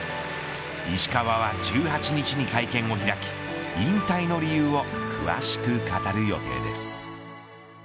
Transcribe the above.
石川は１８日に会見を開き引退の理由を詳しく語る予定です。